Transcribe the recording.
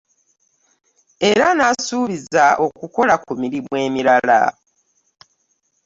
Era n'asuubizza okukola ku mirimu emirala